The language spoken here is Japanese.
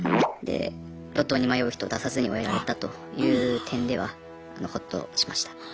で路頭に迷う人出さずに終えられたという点ではホッとしました。